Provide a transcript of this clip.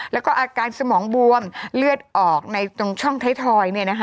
แล้วก็อาการสมองบวมเลือดออกในตรงช่องไทยทอย